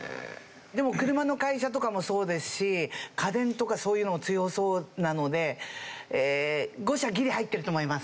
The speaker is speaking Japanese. でも車の会社とかもそうですし家電とかそういうのも強そうなので５社ギリ入ってると思います。